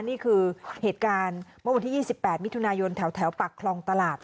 นี่คือเหตุการณ์เมื่อวันที่๒๘มิถุนายนแถวปากคลองตลาด